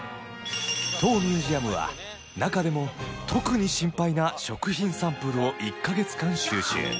当ミュージアムは中でも特に心配な食品サンプルを１ヵ月間収集